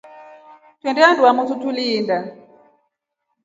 Twete handu hamotu tuliindaa.